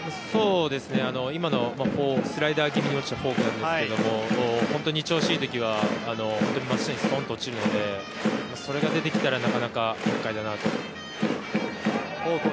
今のはスライダー気味に落ちたフォークなんですけど本当に調子がいい時は真下に、すとんと落ちるのでそれが出てきたらなかなか厄介だなと。